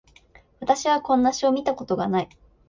私はこんな詩を見たことがない